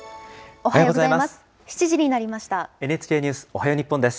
おはようございます。